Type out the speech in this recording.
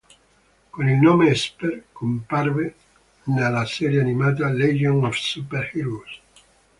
Con il nome "Esper", comparve nella serie animata "Legion of Super Heroes".